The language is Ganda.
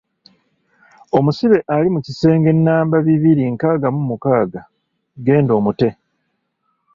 Omusibe ali mu kisenge nnamba bibiri nkaaga mu mukaaga genda omute.